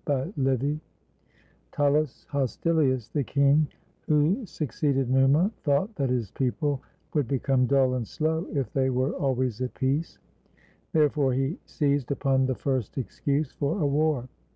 ] BY LIVY [TuLLUS HosTiLius, the king who succeeded Numa, thought that his people would become dull and slow if they were always at peace; therefore he seized upon the first excuse for a war.